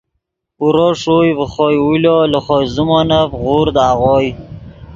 اورو ݰوئے ڤے خوئے اُولو لے خو زیمونف غورد آغوئے